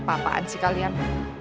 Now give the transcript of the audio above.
apaan sih kalian